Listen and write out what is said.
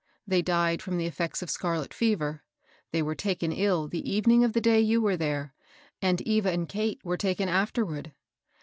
They died from the effects of scarlet fever. They were taken ill the evening of the day you were there^ and Eva and Kate were taken afterward.